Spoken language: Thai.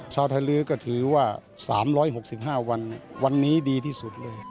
ชาวไทยลื้อก็ถือว่า๓๖๕วันวันนี้ดีที่สุดเลย